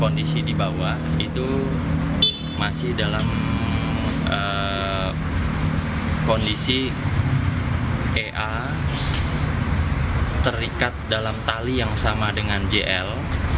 kondisi di bawah itu masih dalam kondisi ea terikat dalam tali yang sama dengan jl